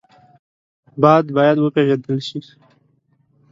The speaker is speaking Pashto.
باد باید وپېژندل شي